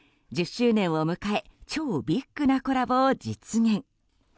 １０周年を迎え超ビッグなコラボを実現。